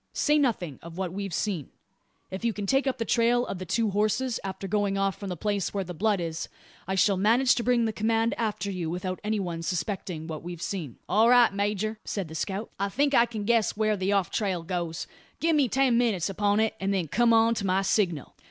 Say nothing of what we've seen. If you can take up the trail of the two horses after going off from the place where the blood is, I shall manage to bring the command after you without any one suspecting what we've seen." "All right, major," said the scout, "I think I can guess where the off trail goes. Give me ten minutes upon it, and then come on to my signal."